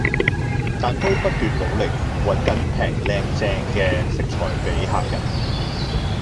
但都不斷努力搵緊平靚正嘅食材俾客人